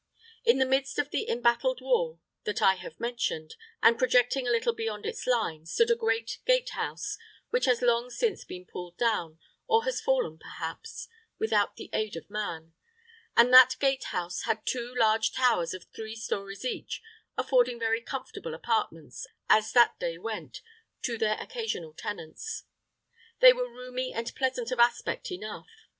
In the midst of the embattled wall that I have mentioned, and projecting a little beyond its line, stood a great gate house, which has long since been pulled down, or has fallen, perhaps, without the aid of man; and that gate house had two large towers of three stories each, affording very comfortable apartments, as that day went, to their occasional tenants. They were roomy and pleasant of aspect enough.